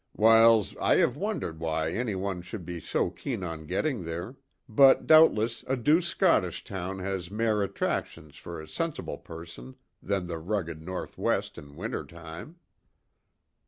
"Whiles, I have wondered why any one should be so keen on getting there, but doubtless a douce Scottish town has mair attractions for a sensible person than the rugged North West in winter time."